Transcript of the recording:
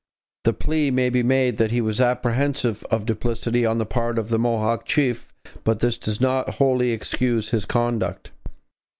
The plea may be made that he was apprehensive of duplicity on the part of the Mohawk chief, but this does not wholly excuse his conduct.